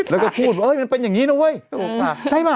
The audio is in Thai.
แล้วก็พูดว่ามันเป็นอย่างนี้นะเว้ยใช่ป่ะ